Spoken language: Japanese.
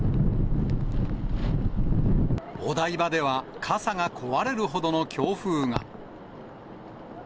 お台場では、傘が壊れるほどの強風が。